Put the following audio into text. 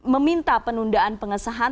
meminta penundaan pengesahan